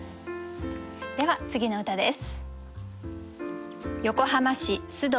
では次の歌です。